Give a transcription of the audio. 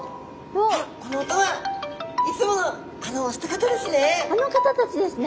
この音はいつものあのお二方ですね。